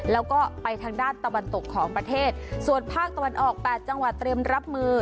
แล้วก็ไปทางด้านตะวันตกของประเทศส่วนภาคตะวันออกแปดจังหวัดเตรียมรับมือ